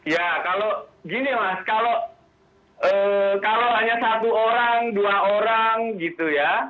ya kalau gini mas kalau hanya satu orang dua orang gitu ya